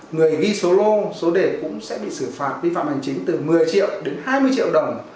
người có hành vi ngô số lô số đề cũng sẽ bị xử phạt vi phạm hành chính từ một mươi triệu đến hai mươi triệu đồng